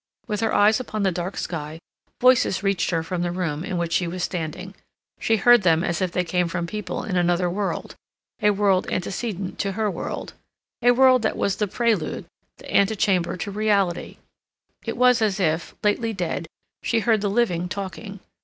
With her eyes upon the dark sky, voices reached her from the room in which she was standing. She heard them as if they came from people in another world, a world antecedent to her world, a world that was the prelude, the antechamber to reality; it was as if, lately dead, she heard the living talking.